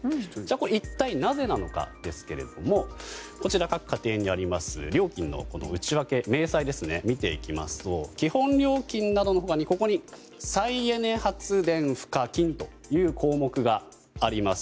これは一体なぜなのかですがこちら、各家庭にあります料金の内訳明細を見ていきますと基本料金などの他に再エネ発電賦課金という項目があります。